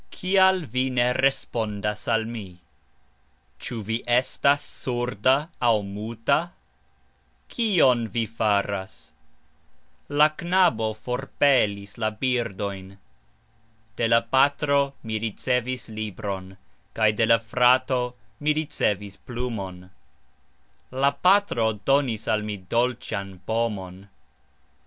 Kial vi ne respondas al mi? Cxu vi estas surda aux muta? Kion vi faras? La knabo forpelis la birdojn. De la patro mi ricevis libron, kaj de la frato mi ricevis plumon. La patro donis al mi dolcxan pomon.